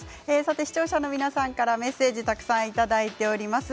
視聴者の皆さんからメッセージたくさんいただいています。